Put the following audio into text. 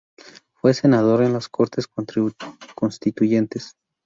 Fue senador en las Cortes Constituyentes.